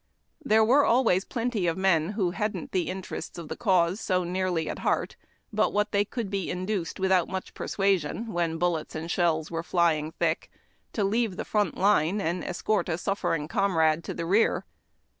There were always plenty of men who hadn't the interests of the cause so nearly at heart but what they could be induced, without much persuasion, when bullets and shells were flying thick, to leave the front line and escort a suffering comrade to the rear.